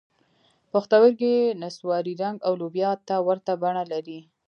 پښتورګي نسواري رنګ او لوبیا ته ورته بڼه لري.